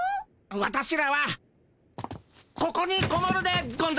ワタシらはここにこもるでゴンざいます。